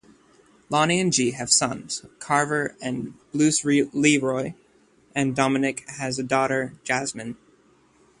Lonnie and G have sons, Carver and Bruce-Leroy, and Dominic has a daughter, Jasmine.